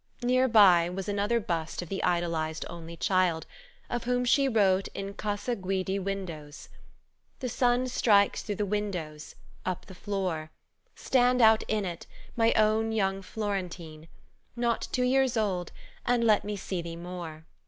Near by was another bust of the idolized only child, of whom she wrote in Casa Guidi Windows: "The sun strikes through the windows, up the floor: Stand out in it, my own young Florentine, Not two years old, and let me see thee more!